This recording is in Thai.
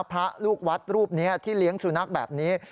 พระลูกวัดรูปนี้ที่เลี้ยงสุนัขแบบนี้